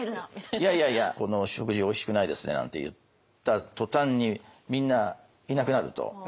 「この食事おいしくないですね」なんて言った途端にみんないなくなると。